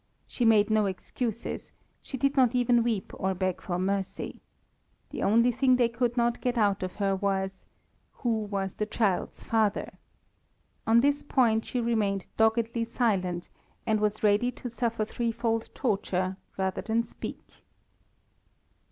She made no excuses, she did not even weep or beg for mercy. The one thing they could not get out of her was: who was the child's father? On this point she remained doggedly silent, and was ready to suffer threefold torture rather than speak.